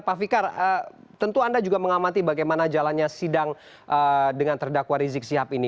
pak fikar tentu anda juga mengamati bagaimana jalannya sidang dengan terdakwa rizik sihab ini